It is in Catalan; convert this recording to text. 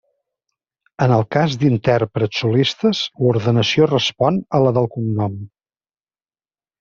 En el cas d'intèrprets solistes l'ordenació respon a la del cognom.